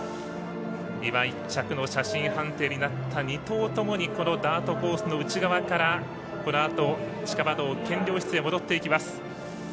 １着の写真判定になった２頭ともに、ダートコースの内側から地下馬道検量室へと戻っていきます。